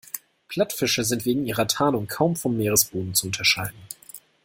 Plattfische sind wegen ihrer Tarnung kaum vom Meeresboden zu unterscheiden.